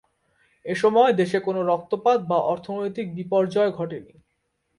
এসময় দেশে কোন রক্তপাত বা অর্থনৈতিক বিপর্যয় ঘটেনি।